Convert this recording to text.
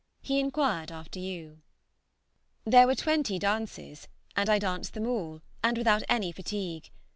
He inquired after you. There were twenty dances, and I danced them all, and without any fatigue.